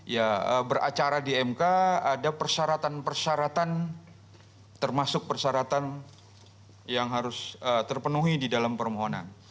ya beracara di mk ada persyaratan persyaratan termasuk persyaratan yang harus terpenuhi di dalam permohonan